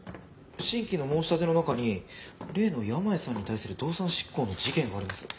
新規の申し立ての中に例の山家さんに対する動産執行の事件があります。